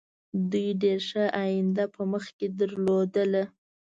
دوی ډېره ښه آینده په مخکې درلودله.